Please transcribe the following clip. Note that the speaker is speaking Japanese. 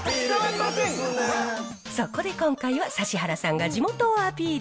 そこで今回は指原さんが地元をアピール。